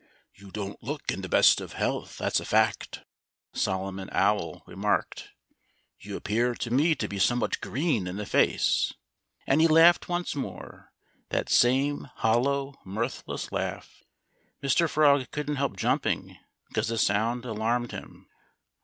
"You don't look in the best of health—that's a fact!" Solomon Owl remarked. "You appear to me to be somewhat green in the face." And he laughed once more—that same hollow, mirthless laugh. Mr. Frog couldn't help jumping, because the sound alarmed him.